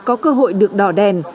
có cơ hội được đỏ đèn